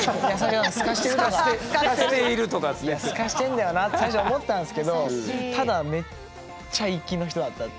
スカしてんだよなって最初思ったんですけどただめっちゃ粋な人だったって。